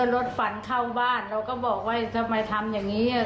รถฝันเข้าบ้านเราก็บอกว่าจะมาทำอย่างนี้